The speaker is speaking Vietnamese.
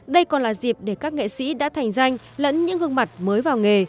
đây còn là dịp để các nghệ sĩ đã thành danh lẫn những gương mặt mới vào nghề